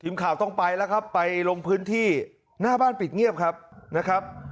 ทีมข่าวต้องไปแล้วครับไปลงพื้นที่หน้าบ้านปิดเงียบครับนะครับ